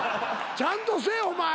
ちゃんとせえお前。